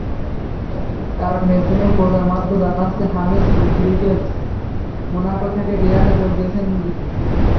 কারণ স্পেনের প্রচারমাধ্যম জানাচ্ছে, হামেস রদ্রিগেজ মোনাকো থেকে রিয়ালে যোগ দিয়ে দিয়েছেন।